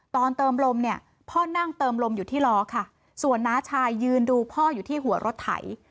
เติมลมเนี่ยพ่อนั่งเติมลมอยู่ที่ล้อค่ะส่วนน้าชายยืนดูพ่ออยู่ที่หัวรถไถ